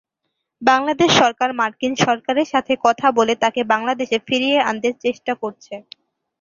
বাংলাদেশ সরকার মার্কিন সরকারের সাথে কথা বলে তাকে বাংলাদেশে ফিরিয়ে আনতে চেষ্টা করছে।